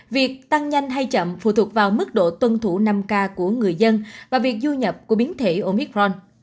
việc tăng nhanh hay chậm phụ thuộc vào mức độ tuân thủ năm k của người dân và việc du nhập của biến thể omicron